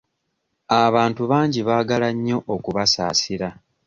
Abantu bangi baagaala nnyo okubasaasira.